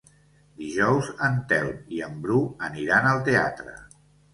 Dijous en Telm i en Bru aniran al teatre.